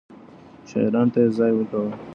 شاعرانو ته يې ځای ورکاوه.